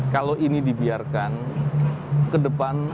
kalau ini dibiarkan ke depan